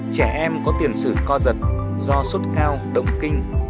trẻ em có tiền sử co giật do sốt cao động kinh